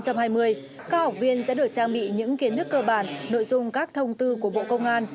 các học viên sẽ được trang bị những kiến thức cơ bản nội dung các thông tư của bộ công an